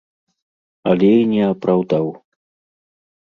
Але і не апраўдаў.